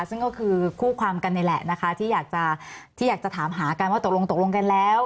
ซึ่งก็คือคู่ความกันแหละนะคะที่อยากจะทามหากันว่าตกลงกันแล้ว